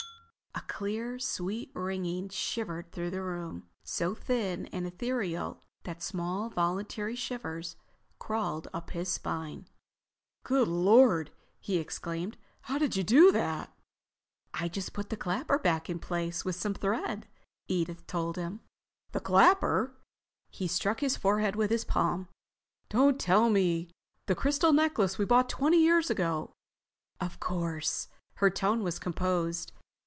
A clear, sweet ringing shivered through the room—so thin and etherial that small involuntary shivers crawled up his spine. "Good Lord!" he exclaimed. "How did you do that?" "I just put the clapper back in place with some thread," Edith told him. "The clapper?" He struck his forehead with his palm. "Don't tell me—the crystal necklace we bought twenty years ago!" "Of course." Her tone was composed.